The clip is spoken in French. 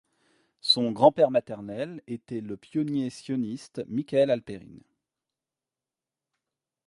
Son grand-père maternel était le pionnier sioniste Michael Halperin.